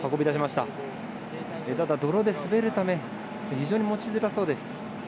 ただ、泥で滑るため非常に持ちづらそうです。